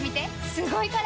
すごいから！